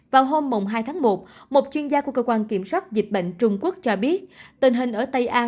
vào hôm hai tháng một một chuyên gia của cơ quan kiểm soát dịch bệnh trung quốc cho biết tình hình ở tây an